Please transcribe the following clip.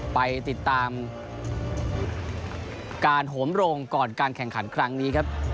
ไปติดตามการโหมโรงก่อนการแข่งขันครั้งนี้ครับ